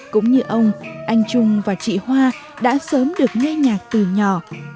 cũng như ông anh trung và chị hoa đã sớm được nghe nhạc từ nhỏ